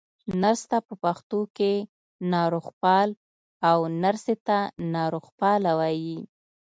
نرس ته په پښتو کې ناروغپال، او نرسې ته ناروغپاله وايي.